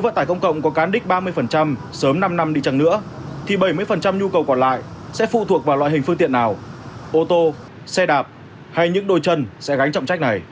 bấm năm năm đi chẳng nữa thì bảy mươi nhu cầu còn lại sẽ phụ thuộc vào loại hình phương tiện nào ô tô xe đạp hay những đôi chân sẽ gánh trọng trách này